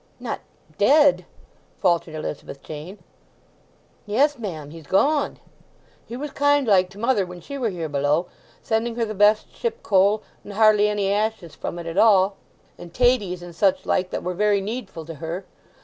"Not—dead?" faltered Elizabeth Jane. "Yes, ma'am, he's gone! He was kind like to mother when she wer here below, sending her the best ship coal, and hardly any ashes from it at all; and taties, and such like that were very needful to her.